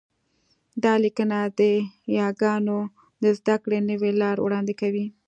دا لیکنه د یاګانو د زده کړې نوې لار وړاندې کوي